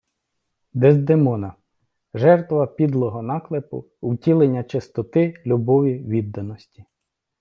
Дездемона - жертва підлого наклепу, втілення чистоти, любові, відданості